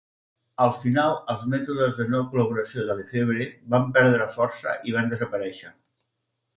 Al final, els mètodes de no col·laboració de LeFevre van perdre força i van desaparèixer.